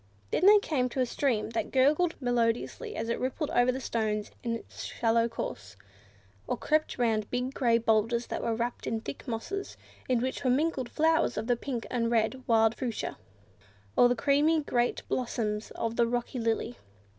Then they came to a stream that gurgled melodiously as it rippled over stones in its shallow course, or crept round big grey boulders that were wrapped in thick mosses, in which were mingled flowers of the pink and red wild fuchsia, or the creamy great blossoms of the rock lily.